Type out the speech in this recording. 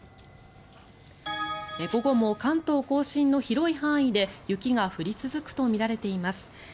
午後も関東・甲信の広い範囲で雪が降り続くとみられています。